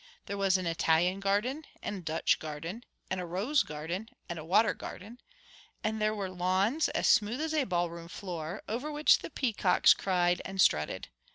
There was an Italian garden and a Dutch garden and a rose garden and a water garden; and there were lawns as smooth as a ballroom floor, over which the peacocks cried and strutted.